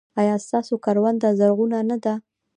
ایا ستاسو کرونده زرغونه نه ده؟